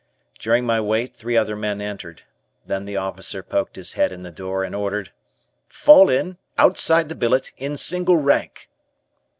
During my wait, three other men entered. Then the officer poked his head in the door and ordered: "Fall in, outside the billet, in single rank."